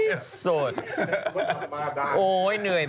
ที่เป็นนอนอย่างนี้แล้วก็เอามือหนุนอย่างนี้นะ